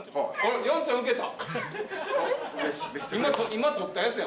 今撮ったやつ。